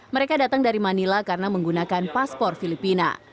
mereka datang dari manila karena menggunakan paspor filipina